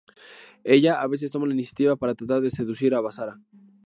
Ella a veces toma la iniciativa para tratar de seducir a Basara.